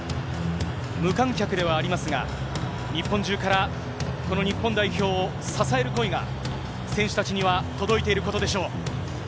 無観客ではありますが、日本中からこの日本代表を支える声が、選手たちには届いていることでしょう。